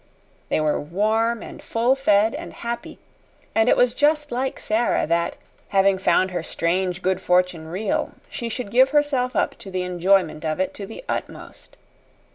They were warm and full fed and happy, and it was just like Sara that, having found her strange good fortune real, she should give herself up to the enjoyment of it to the utmost.